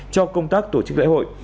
cho công tác tổ chức lễ hội